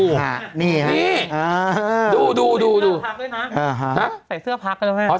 ค่ะนี่ฮะนี่อ่าดูดูดูทักด้วยนะอ่าฮะใส่เสื้อพักออกให้